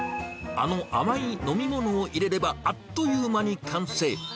あの甘い飲み物を入れればあっという間に完成。